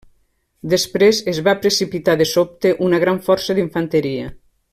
Després es va precipitar de sobte una gran força d'infanteria.